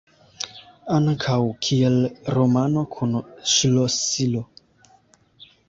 Ankaŭ kiel "romano kun ŝlosilo".